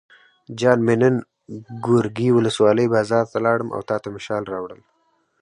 جان مې نن ګورکي ولسوالۍ بازار ته لاړم او تاته مې شال راوړل.